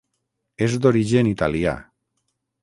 És d'origen italià.